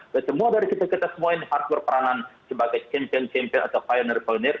dan semua dari kita kita semua ini harus berperanan sebagai champion champion atau pioneer vulner